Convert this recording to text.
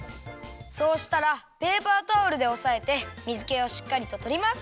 そうしたらペーパータオルでおさえて水けをしっかりととります。